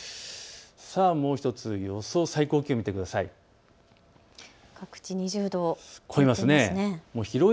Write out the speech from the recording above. もう１つ、予想最高気温を見てください。